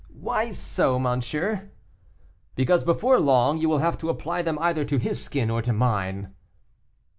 "Why so, monsieur?" "Because, before long, you will have to apply them either to his skin or to mine."